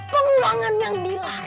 penguangan yang dilarang